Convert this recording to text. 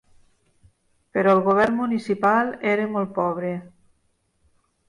Però el govern municipal era molt pobre.